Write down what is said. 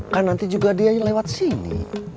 kan nanti juga dia lewat sini